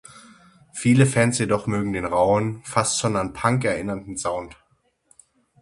Viele Fans jedoch mögen den rauen, fast schon an Punk erinnernden Sound.